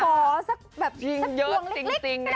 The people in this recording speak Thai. พอสักแบบสักพวงเล็กแบบนี้